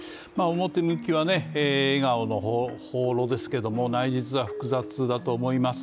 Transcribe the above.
表向きは笑顔の訪ロですけども内実は複雑だと思います。